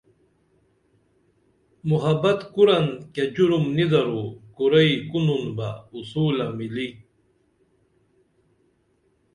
محبت کُرن کیہ جرم نی درو کُرئی کونُن بہ اصولہ مِلی